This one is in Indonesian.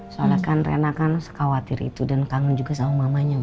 soalnya kan rena kan sekwatir itu dan kangen juga sama mamanya